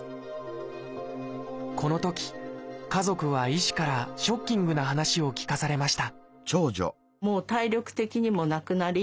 このとき家族は医師からショッキングな話を聞かされました